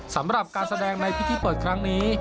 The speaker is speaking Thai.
สำหรับการแสดงในพิธีเปิดครั้งนี้